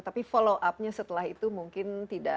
tapi follow upnya setelah itu mungkin